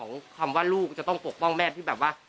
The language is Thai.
เป็นที่มาของคำว่าลูกจะต้องปกป้องแม่ท์ที่แบบว่า